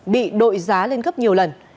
bị đội giá lên cấp nhiều lần